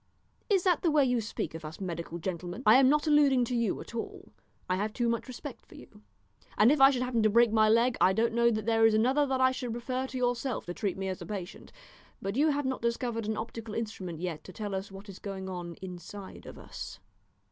"Is that the way you speak of us medical gentlemen?" "I am not alluding to you at all. I have too much respect for you, and if I should happen to break my leg I don't know that there is another that I should prefer to yourself to treat me as a patient, but you have not discovered an optical instrument yet to tell what is going on inside of us."